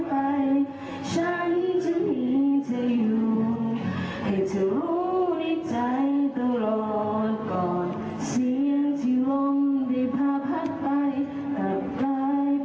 ไปตรงนี้จะยันหายไป